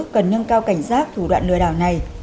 cần nâng cao cảnh giác thủ đoạn lừa đảo này